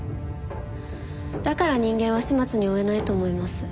だから人間は始末に負えないと思います。